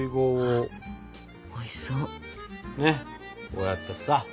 こうやってさ。